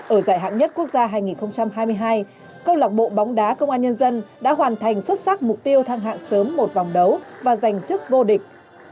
ở giải hạng nhất quốc gia hai nghìn hai mươi hai câu lạc bộ bóng đá công an nhân dân đã hoàn thành xuất sắc mục tiêu thăng hạng sớm một vòng đấu và giành chức vô địch